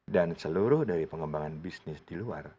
dan seluruh dari pengembangan bisnis di luar